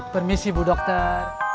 permisi bu dokter